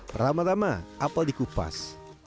pertama tama apel dikupas